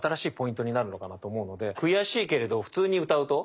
「くやしいけれど」を普通に歌うと？